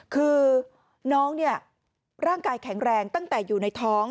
คือน้องเนี่ยร่างกายแข็งแรงตั้งแต่อยู่ในท้อง